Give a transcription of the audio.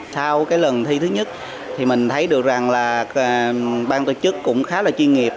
sau cái lần thi thứ nhất thì mình thấy được rằng là ban tổ chức cũng khá là chuyên nghiệp